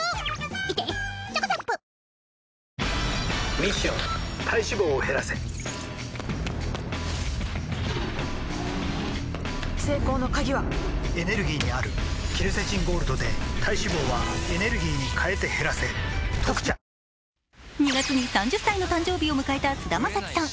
ミッション体脂肪を減らせ成功の鍵はエネルギーにあるケルセチンゴールドで体脂肪はエネルギーに変えて減らせ「特茶」２月に３０歳の誕生日を迎えた菅田将暉さん。